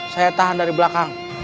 saya tahan dari belakang